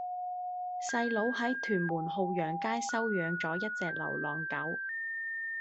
細佬喺屯門浩洋街收養左一隻流浪狗